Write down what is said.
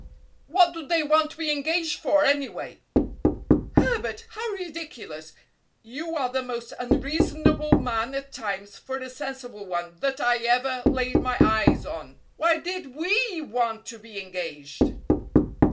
"What do they want to be engaged for, anyway?" "Herbert! How ridiculous! You are the most unreasonable man at times for a sensible one that I ever laid my eyes on. Why did we want to be engaged?"